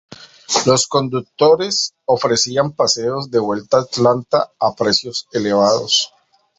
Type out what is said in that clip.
Los conductores ofrecían paseos de vuelta a Atlanta a precios elevados.